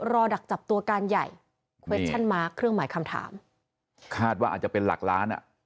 ดักจับตัวการใหญ่เวชชั่นมาร์คเครื่องหมายคำถามคาดว่าอาจจะเป็นหลักล้านอ่ะ